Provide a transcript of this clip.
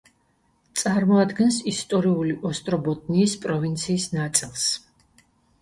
წარმოადგენს ისტორიული ოსტრობოტნიის პროვინციის ნაწილს.